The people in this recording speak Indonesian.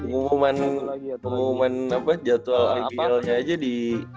pengumuman jadwal iql nya aja di